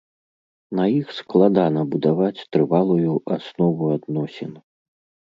На іх складана будаваць трывалую аснову адносін.